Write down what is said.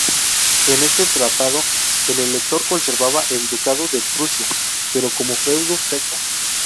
En este tratado, el Elector conservaba el Ducado de Prusia, pero como feudo sueco.